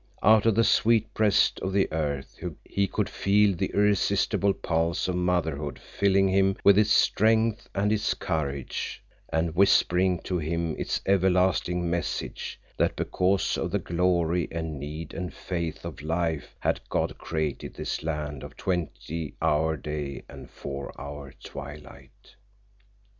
Out of the sweet breast of the earth he could feel the irresistible pulse of motherhood filling him with its strength and its courage, and whispering to him its everlasting message that because of the glory and need and faith of life had God created this land of twenty hour day and four hour twilight.